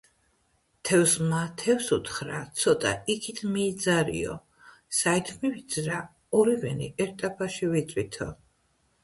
თევზმა თევზს უთხრა: - ცოტა იქით მიიძარიო, - საით მივიძრა, ორივენი ერთ ტაფაში ვიწვითო